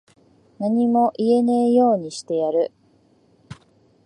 何も言えねぇようにしてやる。